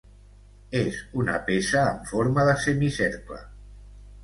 És una peça en forma de semicercle.